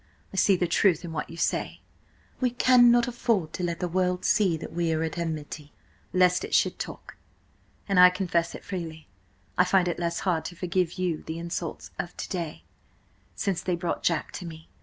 I see the truth in what you say–we cannot afford to let the world see that we are at enmity, lest it should talk. And, I confess it freely, I find it less hard to forgive you the insults of–of to day, since they brought–Jack–to me.